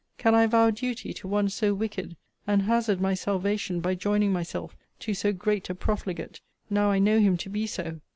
Can I vow duty to one so wicked, and hazard my salvation by joining myself to so great a profligate, now I know him to be so?